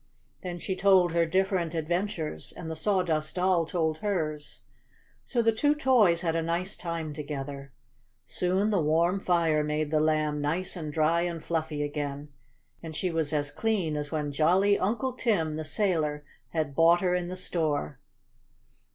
Then she told her different adventures, and the Sawdust Doll told hers, so the two toys had a nice time together. Soon the warm fire made the Lamb nice and dry and fluffy again. And she was as clean as when jolly Uncle Tim, the sailor, had bought her in the store.